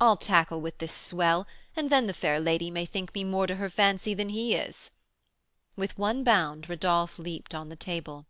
I'll tackle with this swell, and then the fair lady may think me more to her fancy than he is." With one bound Rodolph leaped on the table.